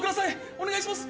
お願いします！